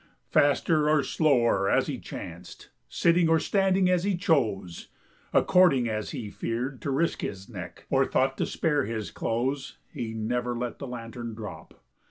Faster or slower as he chanced, Sitting or standing as he chose, According as he feared to risk His neck, or thought to spare his clothes, He never let the lantern drop.